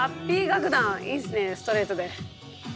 いいっすねストレートで。